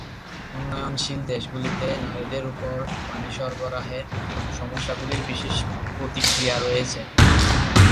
উন্নয়নশীল দেশগুলিতে নারীদের উপর পানি সরবরাহের সমস্যাগুলির বিশেষ প্রতিক্রিয়া রয়েছে।